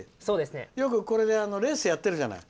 よくレースやってるじゃない。